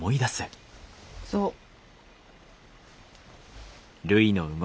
そう。